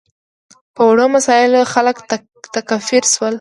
په وړو مسایلو خلک تکفیر شول.